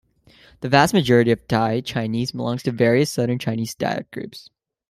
The vast majority of Thai Chinese belong to various southern Chinese dialect groups.